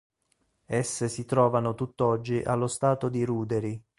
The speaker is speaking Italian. Esse si trovano tutt'oggi allo stato di ruderi.